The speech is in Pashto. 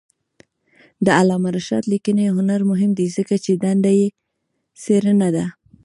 د علامه رشاد لیکنی هنر مهم دی ځکه چې دنده یې څېړنه ده.